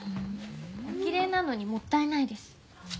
おきれいなのにもったいないです。